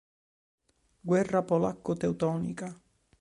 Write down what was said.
Guerra polacco-teutonica